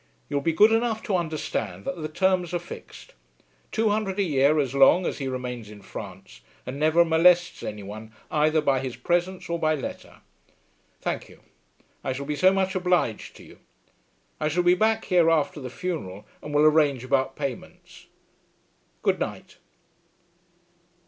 "You will be good enough to understand that the terms are fixed; two hundred a year as long, as he remains in France and never molests anyone either by his presence or by letter. Thank you. I shall be so much obliged to you! I shall be back here after the funeral, and will arrange about payments. Good night."